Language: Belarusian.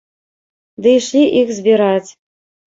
Ды ішлі іх збіраць.